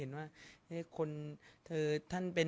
สงฆาตเจริญสงฆาตเจริญ